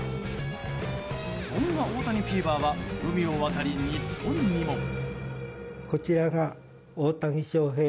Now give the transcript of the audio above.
そんな大谷フィーバーは海を渡り日本にも。